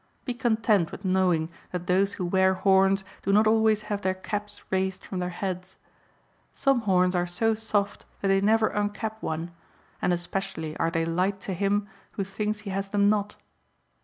Be content with knowing that those who wear horns do not always have their caps raised from their heads. Some horns are so soft that they never uncap one, and especially are they light to him who thinks he has them not."